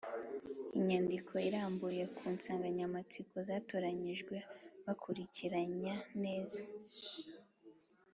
imyandiko irambuye ku nsanganyamatsiko zatoranyijwe bakurikiranya neza